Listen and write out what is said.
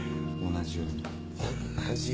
同じように。